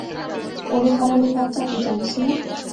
ওরে হারামির বাচ্চা, তুই জানিস না।